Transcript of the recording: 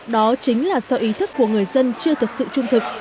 đó chính là do ý thức của người dân chưa thực sự trung thực